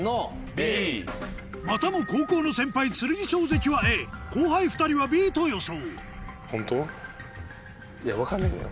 またも高校の先輩剣翔関はＡ後輩２人はＢと予想いや分かんないのよ